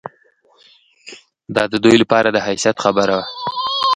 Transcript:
دا د دوی لپاره د حیثیت خبره وه.